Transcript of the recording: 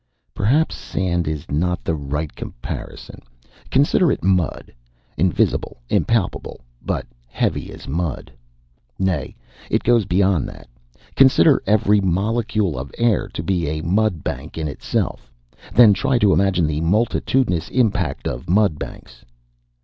Perhaps sand is not the right comparison. Consider it mud, invisible, impalpable, but heavy as mud. Nay, it goes beyond that. Consider every molecule of air to be a mudbank in itself. Then try to imagine the multitudinous impact of mudbanks.